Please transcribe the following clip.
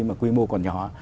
mà quy mô còn nhỏ